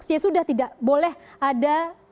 sudah tidak boleh ada